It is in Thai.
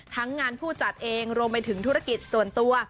ทั้งงานผู้จัดเองรวมไปถึงธุรกิจส่วนตัว